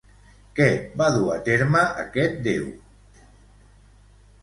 Què va dur a terme aquest déu?